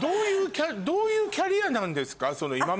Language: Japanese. どういうキャリアなんですか？